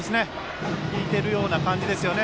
効いているような感じですね。